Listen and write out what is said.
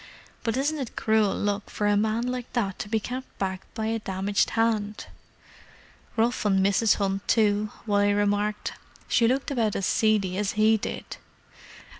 "But isn't it cruel luck for a man like that to be kept back by a damaged hand!" "Rough on Mrs. Hunt, too," Wally remarked. "She looked about as seedy as he did."